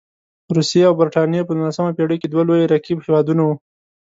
روسیې او برټانیې په نولسمه پېړۍ کې دوه لوی رقیب هېوادونه وو.